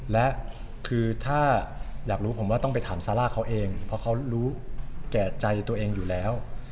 และคือถ้าอยากรู้ผมว่าต้องไปถามซาร่าเขาเองเพราะเขารู้แก่ใจตัวเองอยู่แล้ว